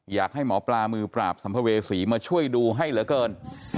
อยากให้หมอปลามือปราบสัมภเวษีมาช่วยดูให้เหลือเกิน